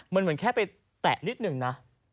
มันเหมือนแค่ไปแตะนิดหนึ่งนะ